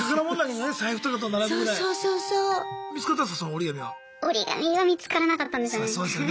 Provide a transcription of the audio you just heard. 折り紙は見つからなかったんですよね。